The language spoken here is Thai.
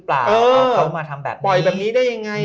ปล่าวเขามาทำแบบนี้